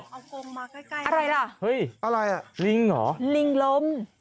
เอากรมมาใกล้อะไรล่ะลิงเหรอลิงล้ม